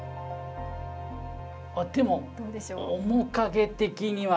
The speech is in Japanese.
でも面影的には彼かな？